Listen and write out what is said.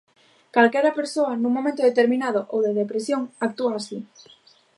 Calquera persoa, nun momento determinado ou de depresión, actúa así.